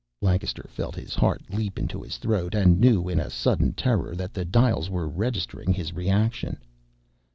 Lancaster felt his heart leap into his throat, and knew in a sudden terror that the dials were registering his reaction.